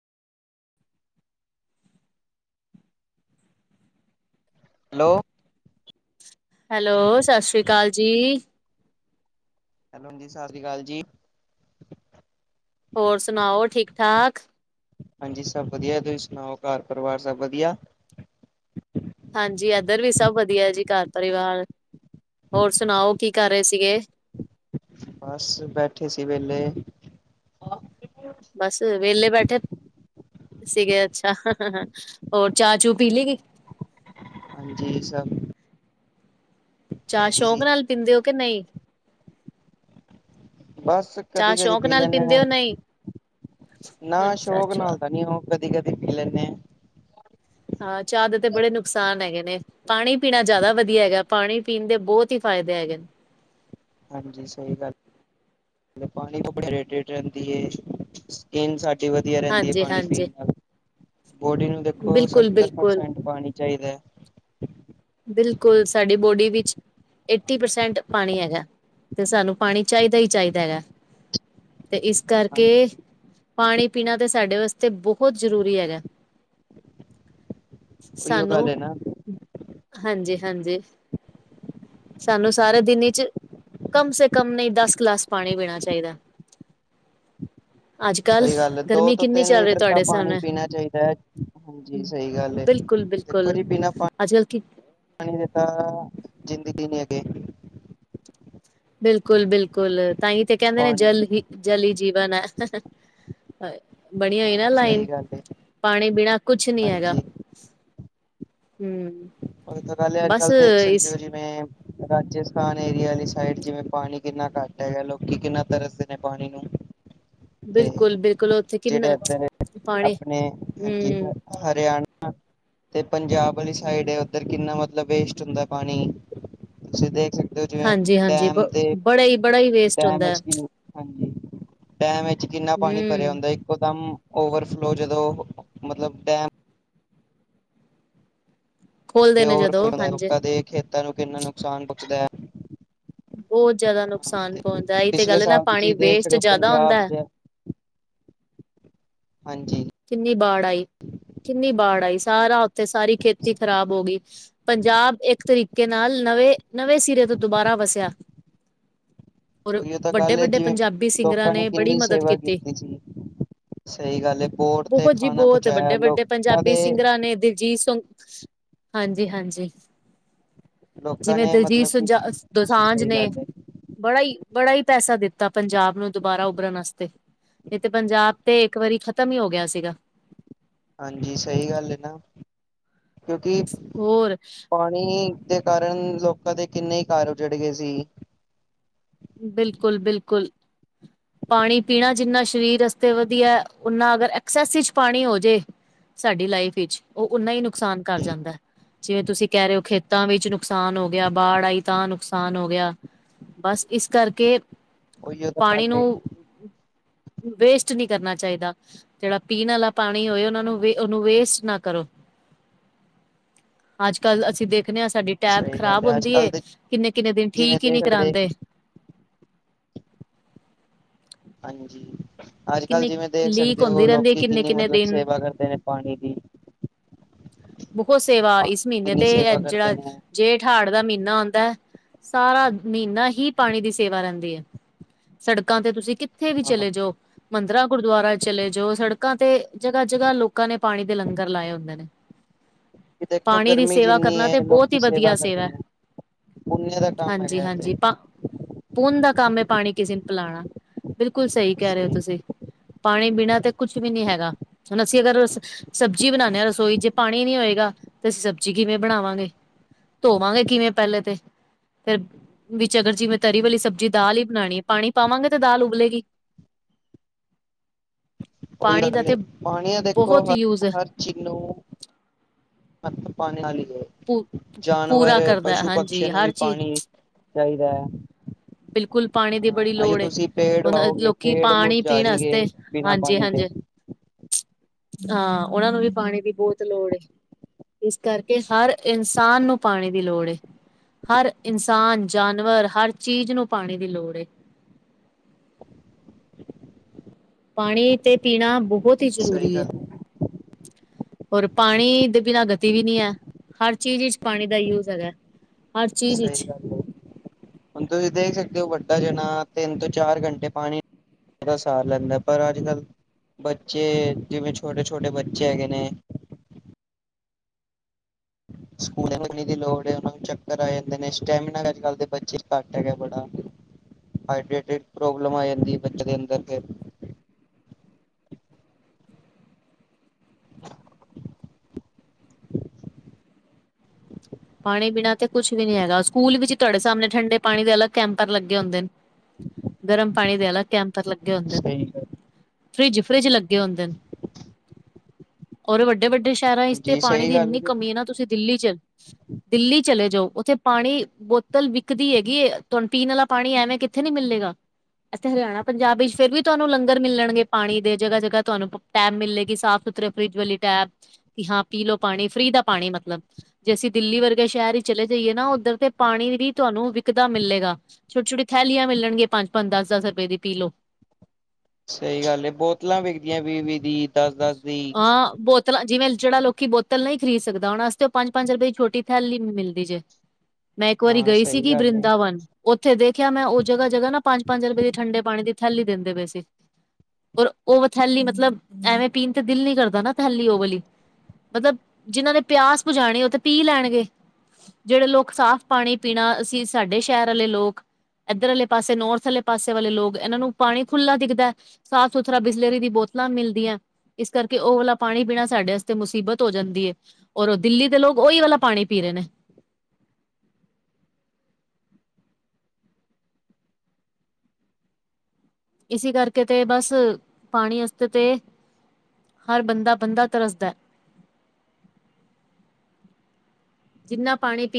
Hello, hello, ਸਸ ਰੀ ਕਾਲ ਜੀ। ਹੈਲੋ ਜੀ, ਸਸ ਰੀ ਕਾਲ ਜੀ। ਹੋਰ ਸੁਣਾਓ, ਠੀਕ- ਠਾਕ। ਹਾਂਜੀ ਸਭ ਵਧੀਆ, ਤੁਸੀਂ ਸੁਣਾਓ, ਘਰ ਪਰਿਵਾਰ ਸਭ ਵਧੀਆ। ਹਾਂਜੀ, ਇੱਧਰ ਵੀ ਸਭ ਵਧੀਆ ਜੀ ਘਰ ਪਰਿਵਾਰ, ਹੋਰ ਸੁਣਾਓ ਕੀ ਕਰ ਰਹੇ ਸੀਗੇ। ਬਸ ਬੈਠੇ ਸੀ ਵਿਹਲੇ। ਬਸ ਵਿਹਲੇ ਬੈਠੇ ਸੀਗੇ ਅੱਛਾ, ਹੋਰ ਚਾਹ ਚੂ ਪੀ ਲੀ ਗੀ। ਜੀ ਸਭ ਚਾਹ ਵਧੀਆ ਸੋਕ ਸੀ ਨਾਲ ਪੀਂਦੇ ਹੋ, ਕਿ ਨਹੀਂ। ਬਸ ਚਾਹ ਕਦੀ-ਕਦੀ ਸ਼ੌਕ ਪੀ ਨਾਲ ਲੈਂਦੇ ਪੀਂਦੇ ਆਂ, ਹੋ ਨਹੀਂ? ਨਾ ਅੱਛਾ ਸ਼ੌਕ ਅੱਛਾ, ਨਾਲ ਦਾ ਨੀ ਹੋ ਕਦੀ- ਕਦੀ ਪੀ ਲੈਨੇ ਆਂ। ਹਾਂ, ਚਾਹ ਦੇ ਤੇ ਬੜੇ ਨੁਕਸਾਨ ਹੈਗੇ ਨੇ। ਪਾਣੀ ਪੀਣਾ ਜ਼ਿਆਦਾ ਵਧੀਆ ਹੈਗਾ, ਪਾਣੀ ਪੀਣ ਦੇ ਬਹੁਤ ਹੀ ਫ਼ਾਇਦੇ ਹੈਗੇ ਨੇ। ਹਾਂਜੀ ਸਹੀ ਗੱਲ, ਪਾਣੀ [inaudible] ਰਹਿੰਦੀ ਏ। ਸਕਿਨ ਸਾਡੀ ਵਧੀਆ ਰਹਿੰਦੀ ਐ ਹਾਂਜੀ ਪਾਣੀ ਹਾਂਜੀ, ਪੀਣ ਨਾਲ, ਬੋਡੀ ਨੂੰ ਦੇਖੋ, ਬਿਲਕੁਲ ਸੱਤਰ ਬਿਲਕੁਲ ਪਰਸੈਂਟ ਪਾਣੀ ਚਾਹੀਦਾ। ਬਿਲਕੁਲ, ਸਾਡੀ ਬੋਡੀ ਵਿੱਚ ਏਟੀ ਪਰਸੈਂਟ ਪਾਣੀ ਹੈਗਾ ਤੇ ਸਾਨੂੰ ਪਾਣੀ ਚਾਹੀਦਾ ਹੀ ਚਾਹੀਦਾ ਹੈਗਾ। ਤੇ ਇਸ ਕਰਕੇ ਹਾਂਜੀ ਪਾਣੀ ਪੀਣਾ ਤੇ ਸਾਡੇ ਵਸਤੇ ਬਹੁਤ ਜ਼ਰੂਰੀ ਹੈਗਾ। ਉਹੀਓ ਸਾਨੂੰ ਗੱਲ ਹੈ ਨਾ ਹਾਂਜੀ- ਹਾਂਜੀ, ਸਾਨੂੰ ਸਾਰਾ ਦਿਨ ਚ' ਕਮ ਸੇ ਕਮ ਨਹੀਂ, ਦਸ ਗਲਾਸ ਪਾਣੀ ਪੀਣਾ ਚਾਹੀਦਾ। ਅੱਜ ਕੱਲ੍ਹ ਸਹੀ ਗੱਲ ਹੈ ਦੋ ਗਰਮੀ ਤੋਂ ਕਿੰਨੀ ਤਿੰਨ ਚੱਲ ਰਹੀ ਲੀਟਰ ਤਾਂ ਤੁਹਾਡੇ ਪਾਣੀ ਸਾਹਮਣੇ। ਪੀਣਾ ਚਾਹੀਦਾ ਹੈ ਹਾਂਜੀ ਸਹੀ ਗੱਲ ਹੈ ਬਿਲਕੁਲ- ਦੇਖੋ ਬਿਲਕੁਲ, ਜੀ ਬਿਨਾਂ ਅੱਜ ਕੱਲ੍ਹ ਕੀ ਪਾਣੀ ਦਿੱਤਾ, ਜ਼ਿੰਦਗੀ ਨੇ ਅੱਗੇ। ਬਿਲਕੁਲ- ਬਿਲਕੁਲ, ਤਾਂਹੀ ਤੇ ਕਹਿੰਦੇ ਨੇ ਪਾਣੀ ਜਲ ਹੀ, ਜਲ ਹੀ ਜੀਵਨ ਹੈ। ਹਾਏ! ਬਣੀ ਹੋਈ ਨਾ ਹਾਂ ਸਹੀ ਲਾਈਨ, ਗੱਲ ਏ ਪਾਣੀ ਬਿਨਾ ਕੁਛ ਨੀ ਹੈਗਾ। ਹਾਂਜੀ ਹੰ। ਓਹੀ ਤਾਂ ਗੱਲ ਏ ਅੱਜ ਕੱਲ ਦੇਖ ਸਕਦੇ ਹੋ ਜੀ। ਜਿਵੇਂ, ਰਾਜਸਥਾਨ ਏਰੀਆ ਅਲੀ ਸਾਈਡ, ਜਿਵੇਂ ਪਾਣੀ ਕਿੰਨਾ ਘੱਟ ਹੈਗੈ। ਲੋਕੀ ਕਿੰਨਾ ਤਰਸ ਆਪਣੇ ਪਾਣੀ ਨੂੰ ਤੇ ਬਿਲਕੁਲ- ਬਿਲਕੁਲ ਉੱਥੇ ਜਿਹੜੇ ਕਿੰਨਾ, ਇੱਧਰ ਪਾਣੀ, ਆਪਣੇ ਹਾਂਜੀ ਹੰ। ਹ- ਹਰਿਆਣਾ, ਤੇ ਪੰਜਾਬ ਵਾਲੀ ਸਾਈਡ ਏ ਇਧਰ ਕਿੰਨਾ ਮਤਲਬ ਵੇਸਟ ਹੁੰਦੈ ਪਾਣੀ। ਤੁਸੀਂ ਦੇਖ ਸਕਦੇ ਜਿਵੇਂ ਹਾਂਜੀ ਹਾਂਜੀ ਬ ਡੈਮ ਤੇ ਬੜਾ ਹੀ ਬੜਾ ਹੀ ਵੇਸਟ ਡੈਮ ਹੁੰਦਾ ਚ' ਕੀ ਹਾਂਜੀ, ਡੈਮ ਵਿੱਚ ਕਿੰਨਾ ਪਾਣੀ ਭਰਿਆ ਹਮ ਹੁੰਦਾ ਏ? ਇੱਕ ਦਮ ਓਵਰਫਲੋ ਜਦੋਂ, ਮਤਲਬ ਡੈਮ ਖੋਲਦੇ ਤੇ ਨੇ ਜਦੋਂ ਓਵਰਫਲੋ ਹੋ, ਹਾਂਜੀ ਲੋਕਾਂ ਦੇ ਖੇਤਾਂ ਨੂੰ ਕਿੰਨਾ ਨੁਕਸਾਨ ਪੁੰਹਚਦਾ। ਬਹੁਤ ਜਿਆਦਾ ਨੁਕਸਾਨ ਪਹੁੰਚਦਾ। ਇਹੀ ਤੇ ਪਿਛਲੇ ਗੱਲ ਏ ਨਾ, ਸਾਲ ਪਾਣੀ ਤੁਸੀਂ ਦੇਖ ਵੇਸਟ ਸਕਦੇ ਹੋ ਜਿਆਦਾ ਪੰਜਾਬ ਹੁੰਦਾ। ਦੇ ਹਾਂਜੀ। ਕਿੰਨੀ ਬਾੜ ਆਈ, ਕਿੰਨੀ ਬਾੜ ਆਈ। ਸਾਰਾ ਉੱਥੇ, ਸਾਰੀ ਖੇਤੀ ਖ਼ਰਾਬ ਹੋ ਗਈ। ਪੰਜਾਬ ਇੱਕ ਤਰੀਕੇ ਨਾਲ ਨਵੇਂ, ਨਵੇਂ ਸਿਰੇ ਤੋਂ ਦੁਬਾਰਾ ਵਸਿਆ। ਹੋਰ ਉਹੀਓ ਤਾਂ ਗੱਲ ਹੈ ਵੱਡੇ-ਵੱਡੇ ਜਿਵੇਂ ਪੰਜਾਬੀ ਸਿੰਗਰਾਂ ਨੇ ਬੜੀ ਮਦਦ ਕੀਤੀ। ਜੀ। ਸਹੀ ਗੱਲ। ਬਹੁਤ ਜੀ ਬਹੁਤ, ਪਹੁੰਚਾਇਆ ਵੱਡੇ-ਵੱਡੇ ਲੋਕਾਂ ਪੰਜਾਬੀ ਦੇ ਸਿੰਗਰਾਂ ਨੇ, ਦਿਲਜੀਤ, ਸੋਨੂ ਹਾਂਜੀ-ਹਾਂਜੀ। ਲੋਕਾਂ ਜਿਵੇਂ ਨੇ ਦਿਲਜੀਤ ਮਤਲਬ ਕਿ ਸੁਝਾ ਦੋਸਾਂਝ ਸਹੀ ਨੇ। ਗੱਲ ਹੈ ਬੜਾ ਹੀ, ਬੜਾ ਹੀ ਪੈਸਾ ਦਿੱਤਾ ਪੰਜਾਬ ਨੂੰ ਦੁਬਾਰਾ ਉਭਰਨ ਆਸਤੇ। ਇਹ ਤੇ, ਪੰਜਾਬ ਤੇ ਇੱਕ ਵਾਰੀ ਖ਼ਤਮ ਹੀ ਹੋ ਗਿਆ ਸੀਗਾ। ਹਾਂਜੀ, ਸਹੀ ਗੱਲ ਏ ਨਾ। ਕਿਉਂਕਿ ਹੋਰ ਪਾਣੀ ਦੇ ਕਾਰਨ, ਲੋਕਾਂ ਦੇ ਕਿੰਨੇ ਹੀ ਘੱਰ ਉਜੜ ਗਏ ਸੀ। ਬਿਲਕੁਲ-ਬਿਲਕੁਲ। ਪਾਣੀ ਪੀਣਾ ਜਿੰਨਾ ਸਰੀਰ ਆਸਤੇ ਵਧੀਆ, ਉੱਨਾਂ ਅਗਰ ਐਕਸੈਸ ਚ' ਪਾਣੀ ਹੋ ਜੇ ਸਾਡੀ ਲਾਈਫ ਵਿੱਚ, ਉਹ ਓਨਾ ਹੀ ਨੁਕਸਾਨ ਕਰ ਜਾਂਦਾ। ਜਿਵੇਂ ਤੁਸੀਂ ਕਹਿ ਰਹੇ ਹੋ, ਖੇਤਾਂ ਵਿੱਚ ਨੁਕਸਾਨ ਹੋ ਗਿਆ, ਬਾੜ ਆਈ ਤਾਂ ਨੁਕਸਾਨ ਹੋ ਗਿਆ। ਬਸ ਇਸ ਕਰਕੇ, ਉਹੀਓ ਤਾਂ ਪਾਣੀ ਗੱਲ ਨੂੰ ਏ ਵੇਸਟ ਨਹੀਂ ਕਰਨਾ ਚਾਹੀਦਾ। ਜਿਹੜਾ ਪੀਣ ਆਲਾ ਪਾਣੀ ਹੋਏ, ਉਹਨਾਂ ਨੂੰ ਉਹਨੂੰ ਵੇਸਟ ਨਾ ਕਰੋ। ਅੱਜ ਕੱਲ ਅਸੀਂ ਦੇਖਨੇ ਹਾਂ ਸਾਡੀ ਟੈਬ ਸਹੀ ਗੱਲ ਖਰਾਬ ਹੈ ਅੱਜ ਹੁੰਦੀ ਕੱਲ ਏ, ਦੇ ਕਿੰਨੇ-ਕਿੰਨੇ ਦਿਨ ਜਿਵੇਂ ਠੀਕ ਹੀ ਦੇ ਨੀ ਜਿਹੜੇ ਕਰਾਂਦੇ। ਹਾਂਜੀ। ਅੱਜ ਕੱਲ੍ਹ ਕਿੰਨੇ ਜਿਵੇਂ ਦੇਖ ਲੀਕ ਸਕਦੇ ਹੋ ਹੁੰਦੀ ਰਹਿੰਦੀ ਹੈ ਲੋਕੀ ਕਿੰਨੇ ਕਿੰਨੀ ਕਿੰਨੇ ਮਤਲਬ ਦਿਨ ਸੇਵਾ ਕਰਦੇ ਨੇ। ਪਾਣੀ ਦੀ। ਬਹੁਤ ਸੇਵਾ, ਇਸ ਮਹੀਨੇ ਕਿੰਨੀ ਤੇ ਇਹ ਸੇਵਾ ਕਰਦੇ ਜਿਹੜਾ ਨੇ ਜੇਠ, ਹਾੜ ਦਾ ਮਹੀਨਾ ਆਉਂਦਾ, ਸਾਰਾ ਮਹੀਨਾ ਹੀ ਪਾਣੀ ਦੀ ਸੇਵਾ ਰਹਿੰਦੀ ਏ। ਸੜਕਾਂ ਤੇ ਤੁਸੀਂ ਕਿੱਥੇ ਵੀ ਹਾਂ ਚਲੇ ਜਾਓ ਮੰਦਰਾਂ ਗੁਰਦੁਆਰਾ ਚਲੇ ਜਾਓ ਸੜਕਾਂ ਤੇ ਜਗ੍ਹਾ- ਜਗ੍ਹਾ ਲੋਕਾਂ ਨੇ ਪਾਣੀ ਦੇ ਲੰਗਰ ਲਾਏ ਹੁੰਦੇ ਨੇ। ਕਿ ਦੇਖੋ ਪਾਣੀ ਦੀ ਗਰਮੀ ਸੇਵਾ ਜਿੰਨੀ ਕਰਨਾ ਹੈ ਤੇ ਬਹੁਤ ਲੋਕੀ ਹੀ ਵਧੀਆ ਕਰਦੇ ਸੇਵਾ। ਨੇ ਪੁੰਨੇ ਦਾ ਕੰਮ ਹੈਗਾ ਤੇ ਹਾਂਜੀ-ਹਾਂਜੀ ਭਾਂ ਪੂਨ ਦਾ ਕੰਮ ਹੈ ਪਾਣੀ ਕਿਸੇ ਨੇ ਪਿਲਾਉਣਾ। ਬਿਲਕੁਲ ਸਹੀ ਕਹ ਰਹੇ ਹੋ ਤੁਸੀਂ। ਪਾਣੀ ਬਿਨਾਂ ਤੇ ਕੁੱਛ ਵੀ ਨਹੀਂ ਹੈਗਾ ਹੁਣ ਅਸੀਂ ਅਗਰ ਸਬਜ਼ੀ ਬਣਾਉਂਦੇ ਹਾਂ ਰਸੋਈ ਚ ਪਾਣੀ ਨੀ ਹੋਏਗਾ ਤੇ ਸਬਜ਼ੀ ਕਿਵੇਂ ਬਣਾਵਾਂਗੇ ਧੋਵਾਂਗੇ ਕਿਵੇਂ ਪਹਿਲੇ ਤੇ ਫਿਰ ਵਿੱਚ ਅਗਰ ਜਿਵੇਂ ਤਰੀ ਵਾਲੀ ਸਬਜ਼ੀ ਦਾਲ ਹੀ ਬਣਾਉਣੀ ਪਾਣੀ ਪਾਵਾਂਗੇ ਤੇ ਦਾਲ ਉਬਲੇਗੀ ਉਹੀ ਪਾਣੀ ਗੱਲ ਦਾ ਤੇ ਬਹੁਤ ਯੂਜ ਜਿਹਨੂੰ ਹੱਥ ਪਾਣੇ ਵਾਲੀ ਹੈ। ਪੂ ਜਾਨਵਰ ਪੂਰਾ ਕਰਦਾ ਪਸ਼ੂ ਹਾਂਜੀ ਪਕਸ਼ੀਆਂ ਨੂੰ ਹਰ ਵੀ ਚੀਜ਼ ਪਾਣੀ ਚਾਹੀਦਾ ਹੈ। ਬਿਲਕੁਲ ਪਾਣੀ ਦੀ ਹਾਂ ਬੜੀ ਅਜੇ ਲੋੜ ਏ ਤੁਸੀਂ ਪੇੜ ਹੁਣ ਉਗਾਓਗੇ ਲੋਕੀ ਪੇੜ ਪਾਣੀ ਮੁਰਝਾ ਪੀਣ ਜਾਣਗੇ ਵਾਸਤੇ ਬਿਨਾਂ ਹਾਂਜੀ ਪਾਣੀ ਦੇ ਹਾਂਜੀ ਹਾਂ ਉਹਨਾਂ ਨੂੰ ਵੀ ਪਾਣੀ ਦੀ ਬਹੁਤ ਲੋੜ ਏ ਇਸ ਕਰਕੇ ਹਰ ਇਨਸਾਨ ਨੂੰ ਪਾਣੀ ਦੀ ਲੋੜ ਏ ਹਰ ਇਨਸਾਨ ਜਾਨਵਰ ਹਰ ਚੀਜ਼ ਨੂੰ ਪਾਣੀ ਦੀ ਲੋੜ ਏ ਪਾਣੀ ਤੇ ਪੀਣਾ ਬਹੁਤ ਹੀ ਸਹੀ ਜ਼ਰੂਰੀ ਗੱਲ ਹੈ। ਪਰ ਹਾਂਜੀ ਪਾਣੀ ਦੇ ਬਿਨਾ ਗਤੀ ਵੀ ਨਹੀਂ ਹੈ ਹਰ ਚੀਜ਼ ਪਾਣੀ ਚ ਯੂਜ ਹੈਗਾ ਹਰ ਚੀਜ਼ ਸਹੀ ਵਿੱਚ ਗੱਲ ਹੈ ਹੁਣ ਤੁਸੀਂ ਦੇਖ ਸਕਦੇ ਹੋ ਵੱਡਾ ਜਣਾ ਤਿੰਨ ਤੋਂ ਚਾਰ ਘੰਟੇ ਪਾਣੀ ਕਿਹੜਾ ਸਾਰ ਲੈਂਦਾ ਪਰ ਅੱਜ ਕੱਲ ਬੱਚੇ ਜਿਵੇਂ ਛੋਟੇ ਛੋਟੇ ਬੱਚੇ ਹੈਗੇ ਨੇ ਸਕੂਲੇ ਹਜਮੀ ਦੀ ਲੋੜ ਹੈ ਉਹ ਨੂੰ ਚੱਕਰ ਆ ਜਾਂਦੇ ਨੇ ਸਟੈਮੀਨਾ ਅੱਜ ਕੱਲ ਦੇ ਬੱਚੇ ਘੱਟ ਹੈਗਾ ਬੜਾ ਹਾਈਡਟ ਪ੍ਰੋਬਲਮ ਆ ਜਾਂਦੀ ਬੱਚੇ ਦੇ ਅੰਦਰ ਫਿਰ [inaudible] ਪਾਣੀ ਬਿਨਾਂ ਤੇ ਕੁਛ ਵੀ ਨੀ ਹੈਗਾ ਸਕੂਲ ਵਿੱਚ ਤੁਹਾਡੇ ਸਾਹਮਣੇ ਠੰਡੇ ਪਾਣੀ ਦੇ ਅਲੱਗ ਕੈਂਪਰ ਲੱਗੇ ਹੁੰਦੇ ਨੇ ਗਰਮ ਪਾਣੀ ਦੇ ਅਲਗ ਕੈਂਪਰ ਲੱਗੇ ਹੁੰਦੇ ਨੇ ਸਹੀ ਫਰਿੱਜ ਫਰਿੱਜ ਲੱਗੇ ਹੁੰਦੇ ਨੇ ਔਰ ਇਹ ਵੱਡੇ ਵੱਡੇ ਸ਼ਹਿਰਾਂ ਇਸ ਗੱਲ ਤੇ ਜੀ ਪਾਣੀ ਸਹੀ ਦੀ ਗੱਲ ਇੰਨੀ ਕਮੀ ਹੈ ਨਾ ਤੁਸੀਂ ਦਿੱਲੀ ਚਲ ਦਿੱਲੀ ਚਲੇ ਜਾਓ ਉੱਥੇ ਪਾਣੀ ਬੋਤਲ ਵਿਕਦੀ ਹੈਗੀ ਤੁਹਾਨੂੰ ਪੀਣ ਵਾਲਾ ਪਾਣੀ ਐਵੇਂ ਕਿੱਥੇ ਨੀ ਮਿਲੇਗਾ ਐਥੇ ਹਰਿਆਣਾ ਪੰਜਾਬ ਵਿੱਚ ਫਿਰ ਵੀ ਤੁਹਾਨੂੰ ਲੰਗਰ ਮਿਲਣਗੇ ਪਾਣੀ ਦੇ ਜਗ੍ਹਾ ਜਗ੍ਹਾ ਤੁਹਾਨੂੰ ਟੈਬ ਮਿਲੇਗੀ ਸਾਫ਼ ਸੁਥਰੇ ਫਰਿਜ ਵਾਲੀ ਟੈਬ ਕਿ ਹਾਂ ਪੀ ਲੋਓ ਪਾਣੀ ਫਰੀ ਦਾ ਪਾਣੀ ਮਤਲਬ ਜੇ ਅਸੀਂ ਦਿੱਲੀ ਵਰਗੇ ਸ਼ਹਿਰ ਹੀ ਚਲੇ ਜਾਈਏ ਨਾ ਉੱਧਰ ਤੇ ਪਾਣੀ ਵੀ ਤੁਹਾਨੂੰ ਵਿਕਦਾ ਮਿਲੇਗਾ ਛੋਟੀ ਛੋਟੀ ਥਲੀਆਂ ਮਿਲਣਗੀਆਂ ਪੰਜ ਦਸ ਦਸ ਰੁਪਏ ਦੀ ਪੀ ਲਓ ਸਹੀ ਗੱਲ ਏ ਬੋਤਲਾਂ ਵਿਕਦੀਆਂ ਵੀਹ ਵੀਹ ਦੀ ਦਸ ਦਸ ਦੀ ਆ ਬਹੁਤ ਤਲਾ ਜਿਵੇਂ ਜਿਹੜਾ ਲੋਕੀ ਈ ਬੋਤਲ ਨਹੀਂ ਖਰੀਦ ਸਕਦਾ ਉਹਨਾਂ ਅਸਤੇ ਉਹ ਪੰਜ ਰੁਪਏ ਛੋਟੀ ਥੈਲੀ ਮਿਲਦੀ ਜੇ ਮੈਂ ਇੱਕ ਵਾਰੀ ਹਾਂ ਗਈ ਸੀ ਸਹੀ ਗੀ ਗੱਲ ਹੈ ਵਰਿੰਦਾ ਵਨ ਉੱਥੇ ਦੇਖਿਆ ਮੈਂ ਉਹ ਜਗ੍ਹਾ ਜਗ੍ਹਾ ਨਾ ਪੰਜ ਪੰਜ ਰੁਪਏ ਦੀ ਠੰਡੇ ਪਾਣੀ ਦੀ ਥੈਲੀ ਦੇਦੇ ਪਏ ਸੀ। ਪਰ ਉਹ ਥੈਲੀ ਮਤਲਬ ਐਵੇਂ ਪੀਣ ਤੇ ਦਿਲ ਨੀ ਕਰਦਾ ਨਾ ਥੈਲੀ ਉਹ ਵਾਲੀ ਮਤਲਬ ਜਿਹਨਾਂ ਨੇ ਪਿਆਸ ਬੁਜਾਣੀ ਉਹ ਤਾਂ ਪੀ ਲੈਣਗੇ ਜਿਹੜੇ ਲੋਕ ਸਾਫ਼ ਪਾਣੀ ਪੀਣਾ ਅਸੀਂ ਸਾਡੇ ਸ਼ਹਿਰ ਆਲੇ ਲੋਕ ਇੱਧਰ ਆਲੇ ਪਾਸੇ ਨੌਰਥ ਵਾਲੇ ਪਾਸੇ ਵਾਲੇ ਲੋਕ ਇਹਨਾਂ ਨੂੰ ਪਾਣੀ ਖੁੱਲਾ ਦਿਖਦਾ ਸਾਫ਼ ਸੁਥਰਾ ਬਿਸਲਾਰੀ ਦੀਆ ਬੋਤਲਾਂ ਮਿਲਦੀਆਂ ਇਸ ਕਰਕੇ ਉਹ ਵਾਲਾ ਪਾਣੀ ਪੀਣਾ ਸਾਡੇ ਵਾਸਤੇ ਮੁਸੀਬਤ ਹੋ ਜਾਂਦੀ ਹੈ। ਔਰ ਉਹ ਦਿੱਲੀ ਦੇ ਲੋਕ ਉਹੀ ਵਾਲਾ ਪਾਣੀ ਪੀ ਰਹੇ ਨੇ ਇਸੇ ਕਰਕੇ ਤੇ ਬਸ ਪਾਣੀ ਵਾਸਤੇ ਤੇ ਹਰ ਬੰਦਾ ਬੰਦਾ ਤਰਸ ਦੇ ਜਿੰਨਾ ਪਾਣੀ ਪੀ